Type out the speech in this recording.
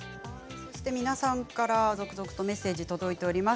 皆さんから続々とメッセージが届いています。